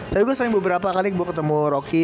tapi gue sering beberapa kali gue ketemu rocky